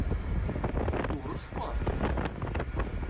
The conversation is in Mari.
Турышко...